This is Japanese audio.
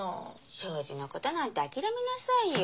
彰二のことなんて諦めなさいよ。